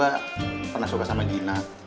kan gue pernah suka sama gina